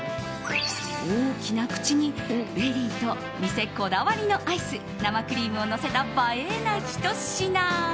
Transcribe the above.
大きな口にベリーと店こだわりのアイス生クリームをのせた映えなひと品。